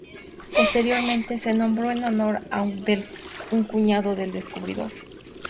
Posteriormente, se nombró en honor de un cuñado del descubridor.